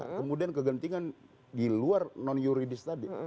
kemudian kegentingan di luar non yuridis tadi